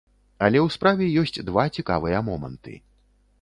Але ў справе ёсць два цікавыя моманты.